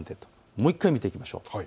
もう１回見ていきましょう。